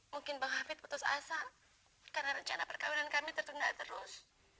mungkin bang hafid putus asa karena rencana perkawinan kami tertunda terus